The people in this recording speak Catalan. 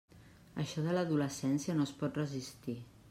Això de l'adolescència no es pot resistir.